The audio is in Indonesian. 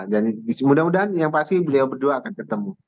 dan mudah mudahan yang pasti beliau berdua akan ketemu